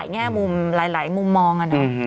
แง่มุมหลายมุมมองนะ